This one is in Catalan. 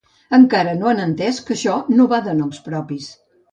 Encara no han entès que això no va de noms propis.